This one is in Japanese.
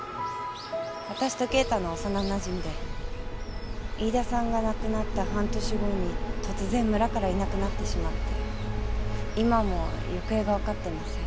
私と敬太の幼なじみで飯田さんが亡くなった半年後に突然村からいなくなってしまって今も行方がわかってません。